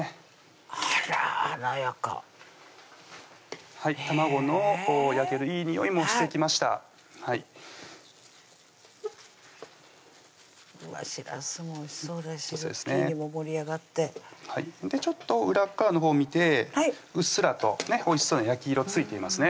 あら華やかはい卵の焼けるいいにおいもしてきましたしらすもおいしそうですしズッキーニも盛り上がってちょっと裏っ側のほう見てうっすらとおいしそうな焼き色ついていますね